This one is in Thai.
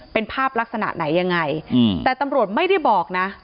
เป็นภาพลักษณะไหนยังไงแต่ตำรวจไม่ได้บอกนะ